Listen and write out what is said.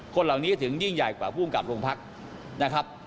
คนเหล่านี้ถึงยิ่งใหญ่กว่าภูมิกับโรงพักนะครับ